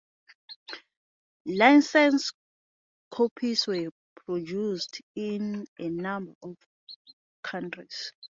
Licensed copies were produced in a number of countries.